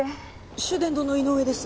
秀伝堂の井上です